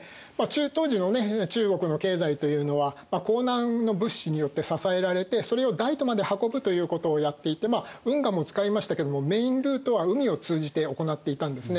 当時の中国の経済というのは江南の物資によって支えられてそれを大都まで運ぶということをやっていて運河も使いましたけどもメインルートは海を通じて行っていたんですね。